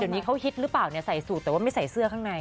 เดี๋ยวนี้เขาฮิตหรือเปล่าเนี่ยใส่สูตรแต่ว่าไม่ใส่เสื้อข้างใน